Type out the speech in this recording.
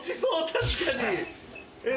確かに。